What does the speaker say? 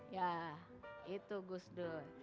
ya itu gus dur